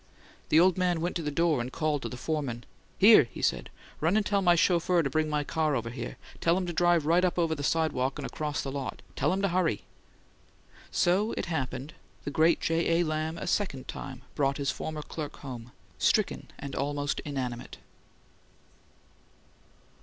The old man went to the door and called to the foreman. "Here!" he said. "Run and tell my chauffeur to bring my car over here. Tell him to drive right up over the sidewalk and across the lot. Tell him to hurry!" So, it happened, the great J. A. Lamb a second time brought his former clerk home, stricken and almost inanimate.